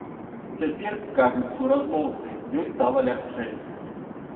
Цяпер, кажуць суразмоўцы, ёй стала лягчэй.